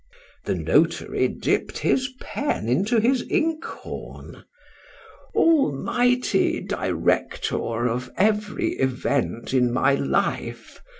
—The notary dipp'd his pen into his inkhorn.—Almighty Director of every event in my life!